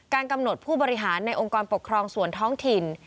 กำหนดผู้บริหารในองค์กรปกครองส่วนท้องถิ่น